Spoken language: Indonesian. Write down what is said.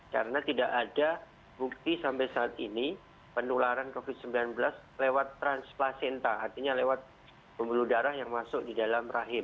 karena tidak ada bukti sampai saat ini penularan covid sembilan belas lewat transplacenta artinya lewat pembuluh darah yang masuk di dalam rahim